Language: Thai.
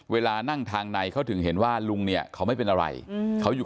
เวลานั่งทางในเขาถึงเห็นว่าลุงเนี่ยเขาไม่เป็นอะไรเขาอยู่